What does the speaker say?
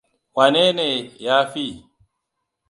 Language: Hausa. Wanne ne ya fi?